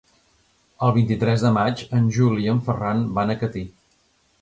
El vint-i-tres de maig en Juli i en Ferran van a Catí.